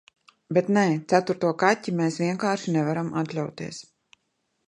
Bet, nē, ceturto kaķi mēs vienkārši nevaram atļauties...